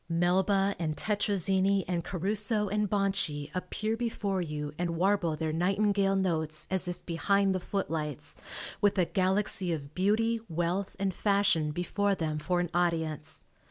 Melba and Tettrazini and Caruso and Bonci appear before you and warble their nightingale notes, as if behind the footlights with a galaxy of beauty, wealth and fashion before them for an audience.